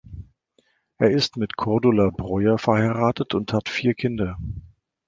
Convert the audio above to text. Er ist mit Cordula Breuer verheiratet und hat vier Kinder.